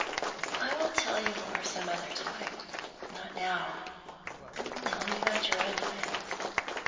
"I will tell you more some other time; not now. Tell me about your own plans.